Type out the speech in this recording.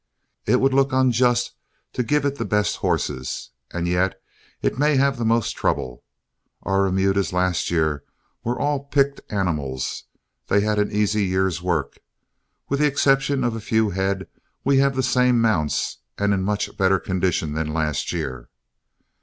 It would look unjust to give it the best horses, and yet it may have the most trouble. Our remudas last year were all picked animals. They had an easy year's work. With the exception of a few head, we have the same mounts and in much better condition than last year.